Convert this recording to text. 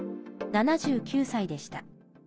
７９歳でした。